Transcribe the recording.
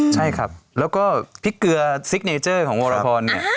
ใช่ครับแล้วก็พริกเกลือซิกเนเจอร์ของวรพรเนี่ย